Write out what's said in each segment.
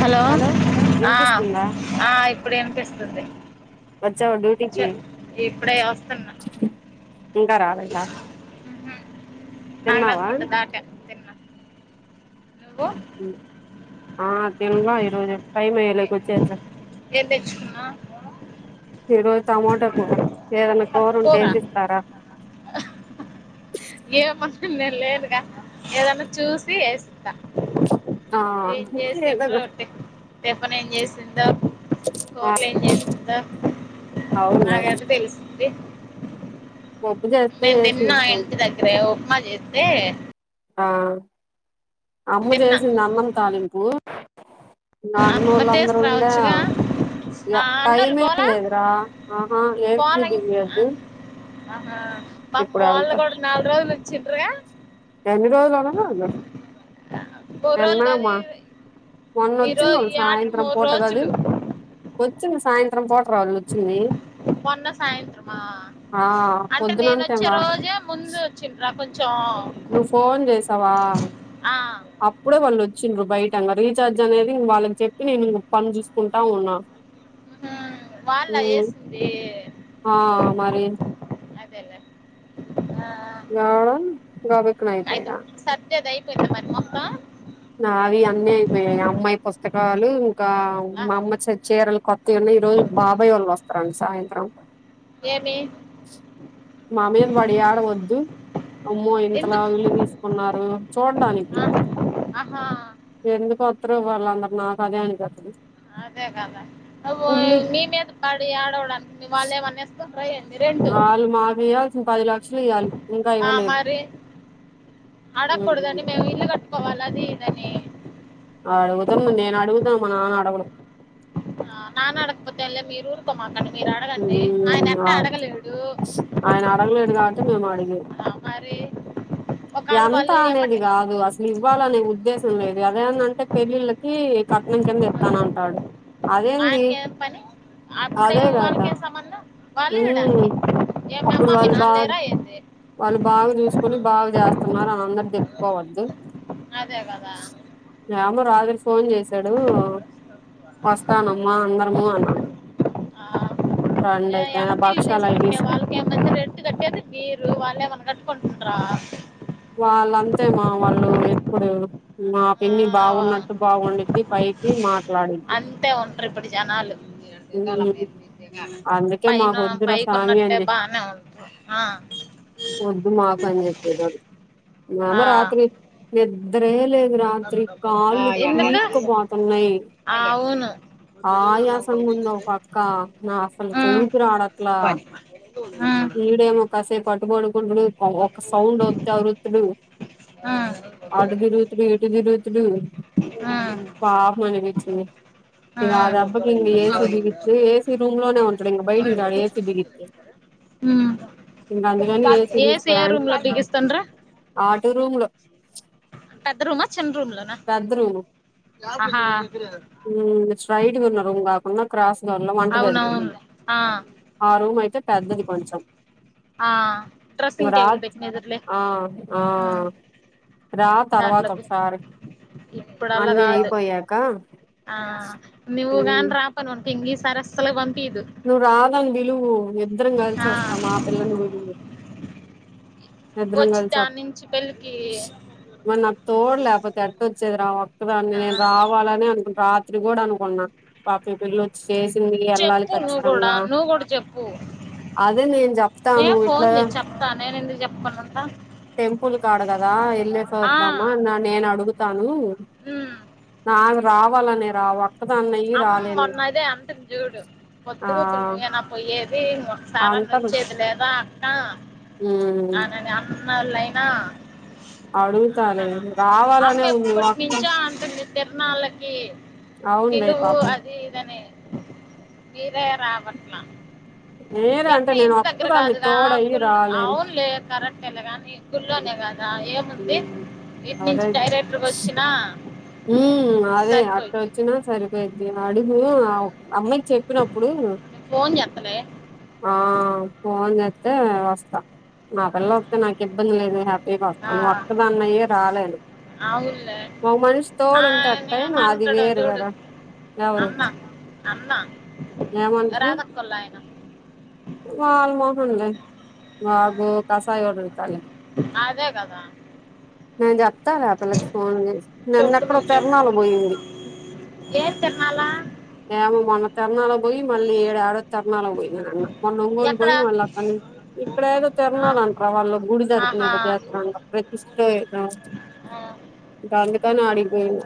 Hello ఆ వినిపిస్తుందా ఆ ఇప్పుడు వినిపిస్తుంది వచ్చావా డ్యూటీకి ఇప్పుడే వస్తన్న ఇంకా రాలేదా ఉహు తిన్నావా ఆగరాజుపల్లె దాట తిన్న నువ్వు ఉహు ఆ తినల ఈరోజు టైం వేయలేక వచ్చేస ఏం తెచ్చుకున్న ఈరోజు టమాటా కూర ఏదన్న కూర ఉంటే ఏసిస్తారా ఏమ నేను లేదుగా ఏదన్నా చూసి వేస్తా ఆ ఏం ఏదోక చేసిండ్రు టిఫ్ టిఫిన్ ఏం చేసిందొ కోర్లు ఏం చసిందా అవును ది పొప్పు జె నేను తిన్నా ఇంటి దగ్గరే ఉప్మా చేస్తే ఆ అమ్మ తిన్నా చేసింది అన్నం తాలింపు అమ్మ నానోలందరూ ఉండా తీసుకురావచ్చుగా ఇడా ఆ అన్నోళ్ళు టైమే పోలా లేదురా ఆహా ఏమి పోలం తినలేదు ఆహా పాపం వాళ్లు కూడా నాలుగు రోజులు వచ్చిండ్రిగా ఎన్ని రోజులు ఉన్న వాళ్ళు మూడు రోజులు తిన్నా కాదు మా మొన్న ఈ వచ్చింది రోజు వాళ్ళ ఈ ఆటకి సాయంత్రం మూడు పూట కదూ రోజులు వచ్చింది సాయంత్రం పూట రా వాళ్ళు వచ్చింది మొన్న సాయంత్రమా ఆ అంటే నేనొచ్చే పొద్దునంతేరా రోజే ముందు చిన్ర కొంచెం నువ్వు ఫోన్ చేసావా ఆ అప్పుడే వాళ్ళు వచ్చిండ్రు బయటంగా రీఛార్జ్ అనేది వాళ్ళకి చెప్పి నేను ఇంగ పని చూసుకుంటా ఉన్నా ఉహుం, వాళ్ళ ఉమ్ వేసింది ఆ మరి అదేలే ఆ ఆ గబుక్కున అయిపోయిన అంటే అది అయిపోయిందా మరి మొత్తం నావి అన్నీ అయిపోయినాయి అమ్మాయి పుస్తకాలు ఇంకా ఆ, మా అమ్మ చ చీరలు కొ ఏమో ఈ రోజు బాబాయోళ్ళు వస్తారంటా సాయంత్రం ఏమి మా మీద పడి ఏడవద్దు అమ్మో ఇంతలా ఎందుకు ఇల్లు తీసుకున్నారు చూడ్డానికి ఆ, ఆహా ఎందుకొత్తరో వాళ్ళందరు నాకు అదే అనిపిస్తది అదే కదా ఓ మీ మీద పడి ఏడవడానికి వాళ్ళేమన్ ఇస్తన్నరా ఎంది వాళ్ళు మాకియ్యాల్సింది పది లక్షలియ్యాలి ఆ మరి ఉమ్, అడగకూడదండి మేము ఇల్లు కట్టుకోవాలి అది ఇదని అడుగుతున్న నేనడుగుతా మా నాన్నడగడు ఆ నాన్నడగకపోతేలా రా మీరు ఊరుకోమకండి మీరడగండి ఉమ్, ఆయనేట్టా ఆ- అడగలేడు ఆయన అడగలేడు కాబట్టి మేము అడిగేది మరి ఒకవేళ ఎంత వాళ్ళు అనేది ఎమ్మటే కాదు అస్ ఇవ్వాలనే ఉద్దేశం లేదు గదా అదేమన్నంటే పెళ్ళిళ్ళకి కట్నం కిందిస్తానంటాడు ఆయనకేం పని అప్పుడే అదే కదా వాళ్ళకేం సంబంధం ఉమ్ వాళ్ళియ్యడానికి అప్పుడు ఏమిమ్మా మీ వాళ్ళు నాన్న బాగా లేరా ఏంది వాళ్ళు బాగా చూసుకుని బాగా చేస్తున్నారనందరు చెప్పుకోవద్దు అదే గదా ఏమో రాత్రి ఫోన్ చేసాడు ఉమ్. వస్తానమ్మా అందరము అనని ఏం తిల్లు భక్షాలు అవి తీసుకుంటే తీసుకు వాళ్ళు ఏం రెంటు కట్టేది మీరు వాల్లేమన్నా కట్టుకుంటున్నరా వాళ్ళంతే మా వాళ్ళు ఎప్పుడు మా ఆ పిన్ని బాగున్నట్టు బాగుండిద్ది పైకి మాట్లాడి ఉంటే ఉంటరు ఇప్పుడు జనాలు అందుకే పైన మాకు వద్దురా స్వామి పైకున్నట్టే అని చెప్పి బానే ఉంటది ఆ వద్దు మాకని చెప్పేదమ ఆ ఏమో రాత్రి నిద్రే లే రాత్రి కాళ్ళు ఎందుకు పీక్కపోతున్నాయ్ ఆ అవును ఆయాస్ నీరసంగుందో పక్క నా అసల ఉమ్ కూపిరాడట్లా ఉమ్ ఈడేమో కాసేపటూ పడుకుంటడు ఒక సౌండోస్తే అరుస్తడు ఉమ్ అటు తిరుగుతుడు ఇటు తిరుగుతుడు ఉమ్ ఉమ్ పాపమణిపిచ్చింది ఇగ ఆ దెబ్బక్ ఏ సీ బిగించి ఏ సీ రూమ్ లోనే ఉంటడు ఇంక బయటికి రాడు ఏ సీ బిగిస్తే ఉమ్ AC A C A room లో బిగిస్తుంరు ఆటో రూమ్ లో పెద్ద రూమా చిన్న రూమ్ లోనా పెద్ద ఆహ మ్మ్మ్మ్ స్ట్రైట్ గున్నా రూమ్ కాకున్న క్రాస్గా ఉన్న వంటగదికి అవునవును ఆ ఆ రూమయితే పెద్దది కొంచెం ఆ డ్రెస్సింగ్ టేబుల్ మరాజ్ పెట్టిన ఎదురులే ఆ ఆ రా దాంట్లోకి తర్వాతొకసారి ఇప్పుడు అలా అన్నీ కాదు అయిపోయాక ఆ నివ్వు మ్ గానీ రాపైనవనుకో ఇంగీసారి అస్సల్ పంపియదు నువ్వు రాదని పిలువు ఇద్దరం కలిసోస్తాం ఆ పిల్లని పిలువు వొచ్చి దాన్నుంచి పే స్ మరి నాకు తోడు లేకపోతే ఎట్టోచ్చేది రా ఒక్కదాన్నే ఆ నేను రావాలనే అనుకుం రాత్రి కూడనుకున్నా పాపిపిల్లో చేసింది ఏళ్ళాలి చెప్పు నువ్వు కూడా ఖచ్చితంగా నువ్వు కూడా చెప్పు అదే నేను చెప్తాను నేను ఫోన్ ఇట్లా చేసి చెప్తా నేనెందుకు చెప్పకుండ ఉంట టెంపుల్ కాడు కదా వెళ్ళే సే వద్దామా నా నేను అడుగుతాను ఉమ్ ఆమె రావాలనే రా ఒక్ అమ్ మొన్నదే అంటది చూడు ఆ పొద్దుగూకులు నువ్వేనా పోయేది ఒకసారా వచ్చేది లేదా అంటనా హ్మ్ మళ్ళైనా అవునా అడుగుతాలే అమ్మ రావాలనే ఉంది ఎప్పటి ఒక్క నించో అంటుంది తిరనాళ్ళకి అవునులే పిలువు పాపం అది ఇదని మీరే రావట్ల ఏరా ఎట్ట అంటే నేను ఇంటి దగ్గర ఒక్కదాన్ని కాదుగా తోడయి గుల్ రాలేను అవునులే కరెక్టే లే గానీ ఊల్లోనే కదా ఏముంది ఉమ్ ఇటు నుంచి డైరెక్ట్ గా వచ్చినా హూ అదే అట్ట సరిపోయింది వచ్చినా సరిపోయిద్ది అడుగు ఆ అమ్మాయి చెప్ప చెప్పినప్పుడు ఫోన్ చేస్తలే ఆ ఫోన్ చేస్తే వస్తా నా పిల్ల వత్తే నాకు ఇబ్బంది లేదు హ్యాపీగా వస్తా ఆ, నువ్వు ఒక్కదాన్నే అయ్యే రాలేను పిల్ల ఒక మనిషి తోడుంటే ఎట్టైన అది వేరుగద ఎవరు అన్న ఏమందుకు వాళ్ళాయన వాడు మోహన్లే ఆ, వాడు కసాయి [unintelligible] అదే కదా నే చెప్తాలే ఆ పిల్లకి ఫోన్ చేసి నిన్న చెప్పు ఎక్కడో నువ్వు చెప్పు తిరణాలకి పోయింది ఏం తిర్ణాలా ఏమో మొన్న తిరణాల పోయి మళ్ళీ ఏడో తిరణాల పోయింది నిన్న మళ్ళీ ఒంగోలు ఎక్కడ పోయి మళ్ళీ అక్కడి ఇక్కడ ఏదో ఆ, తిరాణాలంటార వాళ్ళు ఆహా గుడితరుపునేదో చేత్తరంట [unintelligible] ఆ, ఇక అందుకని ఆడికిపోయింది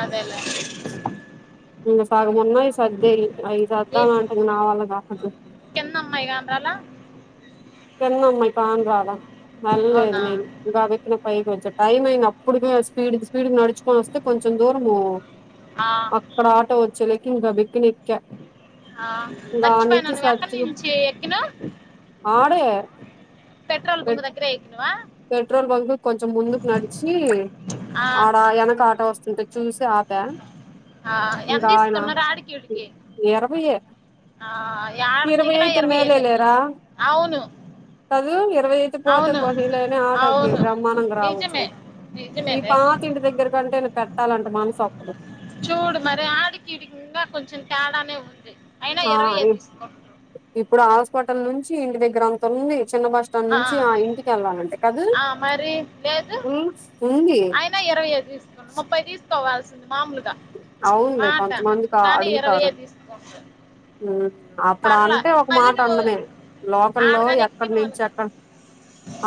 అదేలే ఇంకా సగం ఉన్నయి సర్దేను అవి ఈ సర్దాలంటే నావల్ల కాదు కింద అమ్మాయి కానరాల కింద అమ్మాయి కానరాల వెళ్ళలేదు అవునా నేను ఇప్పుడే పైకి వచ్చా టైం అయింది అప్పుడుకే స్పీడ్ స్పీడ్ నడుచు పోయి వస్తే కొంచెం దూరం ఆ, అక్కడ ఆటో వచ్చేలకి ఇంకా గబిక్కిన ఎక్కా ఆ ఇంకా ఆడ మర్చిపోయినా నుంచి నువ్వు ఎక్కడి సర్చు నుంచి ఎక్కిను ఆడే పెట్రోల్ బంక్ పెట్ దగ్గరే ఎక్కినవా పెట్రోల్ బంక్ కొంచెం ముందుకు నడిచి ఆ, ఆడ వెనక ఆట వస్తుంటే చూసి ఆప్ పా ఆ ఎంత తీసుకున్నరు ఆడికి ఈడికి ఇరవైయే ఆ ఏడ దిగిన అయితే ఇరవై మేలే యేలే అవును కదు ఇరవై అయితే పోతే అవును పోనీలే అని ఆటో ఎక్కి అవును బ్రహ్మాండంగా రావచ్చు నిజమే ఈ నిజమేలే పా త ఇంటి దగ్గర కంటేను పెట్టాలంటే మనసు ఒప్పదు చూడు మరి ఆడికి ఈడికి ఇంకా కొంచం తేడానే ఉంది అయినా ఆ ఇరవై ఐదు తీసుకుంటారు ఇప్పుడు ఆస్పటల్ నుంచి ఇంటి దగ్గర అంత ఉంది చిన్న బస్ నుంచి ఆ ఇంటికి వెళ్ళాలంటే కదూ ఆ, మరి ఉంది అన్నా ఇరవై ఐదు తీసుకోండి ముప్పై తీసుకోవాల్సింది మామూల్గా అవునులే మాట కొంతమందికి కానీ అడుగుతారు ఇరవైయే తీసుకుంది ఉమ్ అప్పుడు అంటే ఒక మాట నువ్వు అన్డమే లోకల్లో ఆడగానే ఎక్కిన ఎక్కడ్నుంచి ఎక్కడ్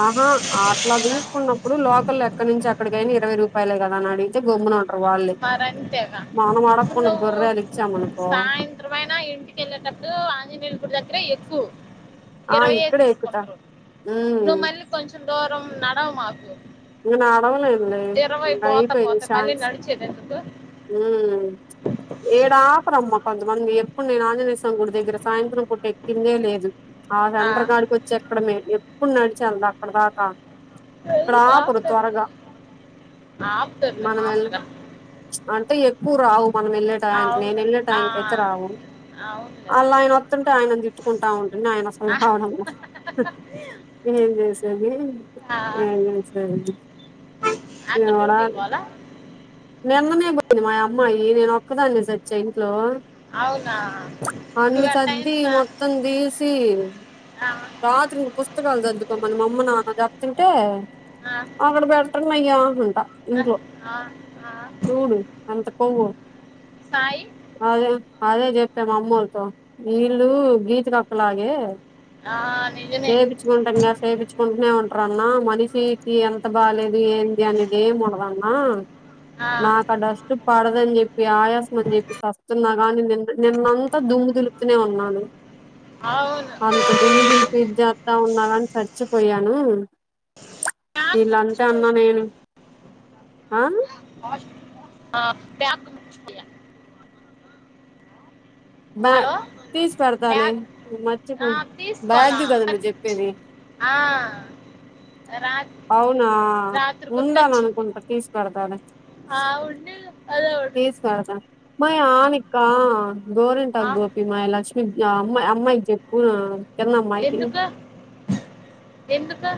ఆహా అట్లా తీసుకున్నప్ అప్పుడు లోకల్ ఎక్కడ్నుంచి ఎక్కడికి అయినా ఇరవై రూపాయలే కదా అని అడిగితే గొమ్మునా ఉంటారు వాళ్ళే మరంతేగా మనం అడక్కండా గొర్రెేలా ఇచ్చాం అనుకో చిత్రమైన ఇంటిక వెళ్ళేటట్టు ఆంజనేయుని గుడి దగ్గరే ఎక్కు ఆ! ఇరవైే ఇక్కడే ఎక్కుతా. తీసుకుంట్రు నువ్వు హ్మ్. మళ్ళీ కొంచెం దూరం నడవ మాకు ఇంగ నడవలేన్లే ఇరవై పోత అయిపోయింది పోతే మళ్ళీ ఛాన్స్ నడిచేది ఎందుకు ఉమ్ ఈడ ఆపరమ్మా కొంతమంది ఎప్పుడు నేను ఆంజనేయం స్వామి గుడి దగ్గర సాయంత్రం పూట ఎక్కిందే లేదు ఆ సెంట్ర్ కాడికి వచ్చి ఎక్కడమే ఎప్పుడు నడిచి ఎల్తా అక్కడి దాక ఎక్కడ ఎందుకు ఆప్ ఆపుతారులే త్వరగా ఆ, ఆపుతారులే మనం వెళ్ మామూలుగా ప్చ్ అంటే ఎక్కువ రావు మనం వెళ్ళే ఆ, టయానికి నేను అవును వెళ్ళే ఆ, టయానికి అయితే రావు అవునులే అళ్లా ఆయన వత్తుంటే ఆయన తిట్టుకుంటా ఉంటుది ఆయన అసలు ఆ, రావడం లా ఏం చేసేది ఆ, ఏం చేసేది అక్క ఏం రా డ్యూటీ పోలా నిన్ననే పోయింది మా అమ్మాయి నేను ఒక్కదాన్నే సచ్చా ఇంట్లో అవునా నువ్వు అన్ని ఆ టైం సద్ది సా మొత్తం దీసి ఆ, రాత్రి పుస్తకాలు సద్దువుకోమని మా అమ్మ నాన్న చెప్తుంటే ఆ, అక్కడ పెట్టండి అయ్యా అంట ఆ, ఇంట్లో ఆ ఆ సూడు ఎంత కొవ్వో సాయి అదే అదే చజెప్పా మా అమ్మోల్తో ఈళ్ళు గీచురక్క లాగే ఆ నిజమే చుకుంటానే సేపించుకుంట్నా ఉంటారన్నా మనిషికి ఎంత బాలేదు ఏం అనేది ఏముండదన్నా ఆ, నాకా డస్టు పడదని చెప్పి ఆయాసం అని చెప్పి సస్తున్నా గాని నిన్న నిన్నంతా దుమ్ము దులుపుతూనే ఉన్నాను అవును అంత దుమ్ము దులుపి జేత్తా ఉన్నాగాని సచ్చిపోయాను నాకు వీళ్ళ అంతా అన్నా నేను ఆ ఆ క్యాబ్ చ్ కియా బ్యా అలో తీసి పెడతాలే బ్యాగ్ ఆ మర్చిపోయి తీసుకోలా బ్యాగ్ కదా నువ్వు ఆచ్ చెప్పేది ఆ రా అవునా రాత్రి కొత్త వచ్చింది ఉండాలనుకుంటా తీసిపెడ్తా లే ఆ ఉండు తీసిపెడతా మాయ్ ఆనిక్కా ఆ గోరింటాకు గోపి మాయ్ ల అమ్మై అమ్మై కి జెప్పు ఎందుకు ఎందుకు?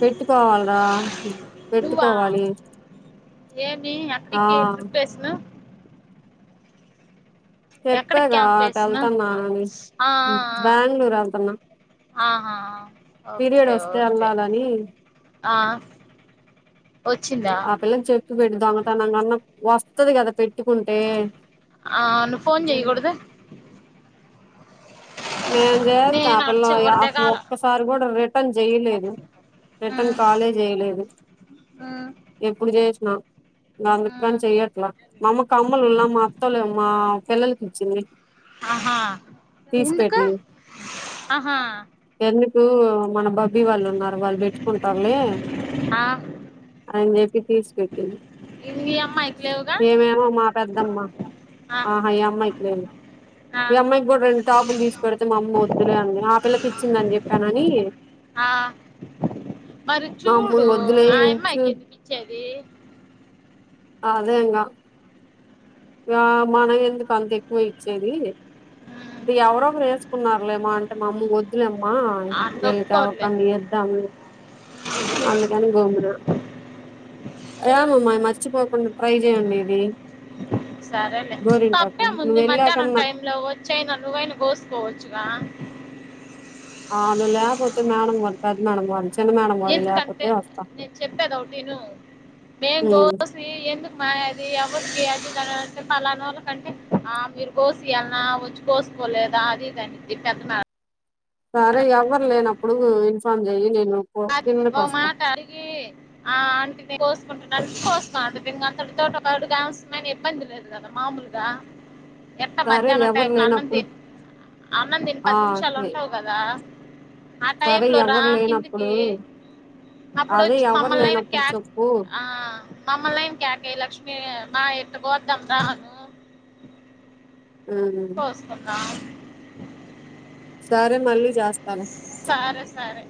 పెట్టుకోవాల్రా నువ్వా పెట్టుకోవాలి ఏమి ఆ ఎక్కడికి ప్రిప్రేసన్ ఎక్కడికి చెప్పాగా క్యాంప్ అటు వేసినా వెళ్తున్నానని స్ ఆ బెంగళూరు వెళ్తున్నా ఆ ఆహా పీరియడ్ ఓకే వస్తే ఓకే వెళ్ళాలని ఆ వచ్చిందా ఆ పిల్లని చెప్ప పెట్టడు దొంగతనంగా అన్న వస్తది కదా పెట్టుకుంటే ఆ నువ్వు ఫోన్ చెయ్యకూడదు నేను చేస్తా నేను ఆ అడ పిల్ల అసలు చివరి ఒక్కసారి దిగాల ఒక్కసారి కూడా రిటర్న్ చేయలేదు రిటర్న్ ఉమ్, కాలే చేయలేదు ఉమ్, ఎప్పుడు చేసిన ఉమ్. అందుగాని చెయ్యట్లా మా అమ్మ కమ్మలు మా అత్తలు మా పిల్లలకి ఇచ్చింది ఆహా తీసి ఎందుకు పెట్టింది ఆహా ఎందుకు మన బబ్బీ వాళ్ళు ఉన్నారు వాళ్ళు పెట్టుకుంటారులే ఆ, అని చెప్పి తీసి పెట్టింది ఇవి ఈ అమ్మాయికి లేవుగా ఏమేమో మా పెద్దమ్మా ఆ, ఆహ ఈ అమ్మాయికి లేదు ఆ. ఈ అమ్మాయికి కూడా రెండు టాపులు తీసి పెడితే మా అమ్మ వద్దులే అని ఆ పిల్లకి ఇచ్చిందని చెప్పానని ఆ మరి మా అమ్మ చూడు వద్దులే ఆ ఉంచు అమ్మాయికి ఎందుకు ఇచ్చేది అదే ఇగ ఇగా మనం ఎందుకు అంత ఎక్కువ ఇచ్చేది అంటే ఎవరో వేసుకున్నారులేమో అంటే మా అమ్మ వద్దులేమ్మా వీళ్ళ తప్పుకోరులే ఎవరికన్నా ఇద్దాం అందుకని పోముర ఏ అమ్మ మర్చిపోకుండా ట్రై చేయండి ఇది సరేలే గోరింటాకు తప్పే నువ్వు ముందు వెళ్ళాక మధ్యాహ్నం నాకు టైమ్ లో చైనా నువ్వైనా కోసుకోవచ్చుగా అవును లేకపోతే మేడం వాళ్ల పెద్ద మేడం వాళ్ళ ఎందుకంటే నేను చెప్పేది ఒకటిను మ్యాంగోస్ ఏ ఎందుకు మా అది ఎవరికి అది ఇది పలనోలకు అంటే ఆ మీరు కోసియాల్లా వచ్చి కోసుకోలేదా అది ఇది అనింది పెద్ద మేడం సరే ఎవ్వరు లేనప్పుడు ఇన్ఫామ్ చెయ్యి నేను కిందకి ఓ వస్తా మాట అడిగి ఆ అంట కోసుకుంటు కోసుకోం అంత అంతటి తోటడువసమైన ఇబ్బంది లేదు పెడతాన మామూలుగా ఎంత సరే మధ్యాహ్నం ఎవరు టైంలో అన్నం లేనప్పుడు తిని అన్నం తిని ఆ పది నిమిషాలు ఉంటావు కదా ఆ టైమ్ సరే లో రా ఎవరు కిందికి లేనప్పుడు అప్పుడు అదే వచ్చి ఎవరు మమ్మల్ని అయినా లేనప్పుడు క్యాక్ చెప్పు ఆ మమ్మల్లైం కేయాక లక్ష్మి మా ఇటు పోద్ద అను ఉహు కొందాం సరే మళ్ళీ జెస్తలే సరే సరే